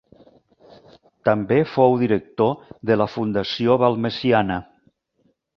També fou director de la Fundació Balmesiana.